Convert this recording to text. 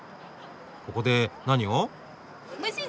ここで何を？